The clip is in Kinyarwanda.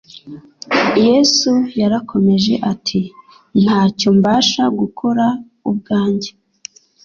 Yesu yarakomeje ati: "Ntacyo mbasha gukora ubwanjye";